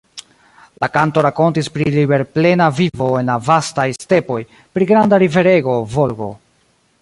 La kanto rakontis pri liberplena vivo en la vastaj stepoj, pri granda riverego Volgo.